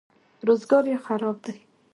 روزګار یې خراب دی.